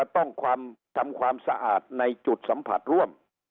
ต้องทำความสะอาดในจุดสัมผัสร่วม